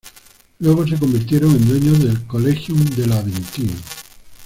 Luego se convirtieron en dueños del collegium del Aventino.